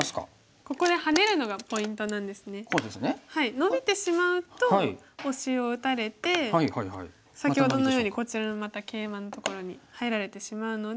ノビてしまうとオシを打たれて先ほどのようにこちらのまたケイマのところに入られてしまうので。